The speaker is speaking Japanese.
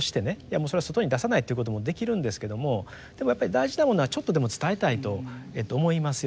それは外に出さないっていうこともできるんですけどもでもやっぱり大事なものはちょっとでも伝えたいと思いますよね。